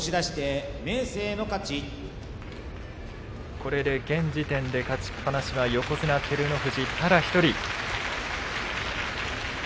これで現時点で勝ちっぱなしは横綱照ノ富士、ただ１人。